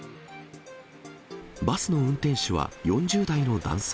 バスの運転手は４０代の男性。